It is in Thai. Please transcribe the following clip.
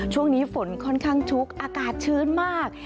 ช่วงนี้ฝนค่อนข้างชุกอากาศชื้นมาก